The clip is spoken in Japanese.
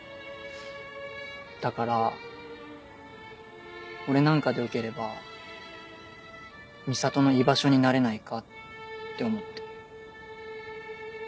だから俺なんかでよければ美里の居場所になれないかって思って。